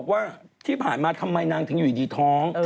ว่าที่ผ่านมาทำไมนางถึงอยู่ดีท้อง